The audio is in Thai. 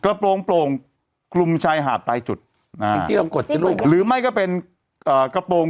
กระโปรงโปรงคลุมชายหาดลายจุดอ่าหรือไม่ก็เป็นอ่ากระโปรง